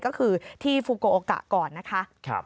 ก็คือที่ฟูโกโอกะก่อนนะคะ